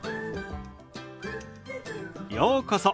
ようこそ。